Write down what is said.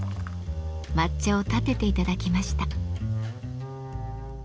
抹茶をたてていただきました。